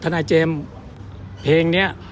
ทะนายเจมส์เพ็งเนี้ย